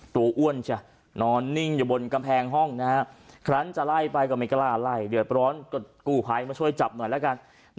อ้วนจ้ะนอนนิ่งอยู่บนกำแพงห้องนะฮะครั้งจะไล่ไปก็ไม่กล้าไล่เดือดร้อนก็กู้ภัยมาช่วยจับหน่อยแล้วกัน